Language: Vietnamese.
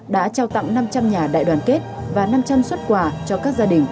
đã trao tặng năm trăm linh nhà đại đoàn kết và năm trăm linh xuất quà cho các gia đình